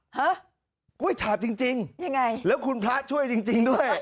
ฮะกล้วยฉาบจริงยังไงแล้วคุณพระช่วยจริงด้วย